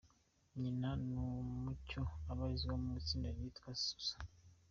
Nyina ni Umucyo, abarizwa mu itsinda ryitwa Susa.